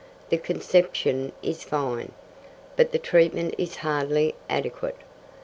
The conception is fine, but the treatment is hardly adequate.